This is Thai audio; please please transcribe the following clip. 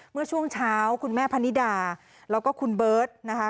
เมื่อช่วงเช้าคุณแม่พนิดาแล้วก็คุณเบิร์ตนะคะ